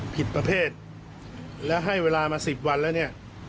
ผิดประเภทและให้เวลามา๑๐วันแล้วเนี่ย